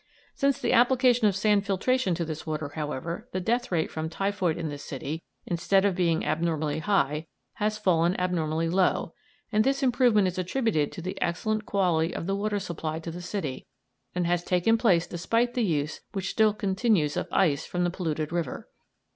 Since the application of sand filtration to this water, however, the death rate from typhoid in this city, instead of being abnormally high, has fallen abnormally low, and this improvement is attributed to the excellent quality of the water supplied to the city, and has taken place despite the use which still continues of ice from the polluted river.